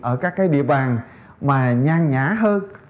ở các cái địa bàn mà nhang nhã hơn